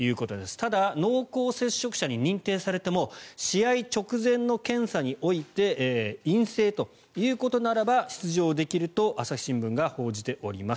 ただ、濃厚接触者に認定されても試合直前の検査において陰性ということならば出場できると朝日新聞が報じております。